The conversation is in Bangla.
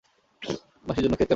মাসির জন্যে খেদ কেন বাবা।